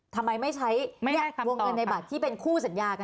ทำไมไม่ใช้วงเงินในบัตรที่เป็นคู่สัญญากัน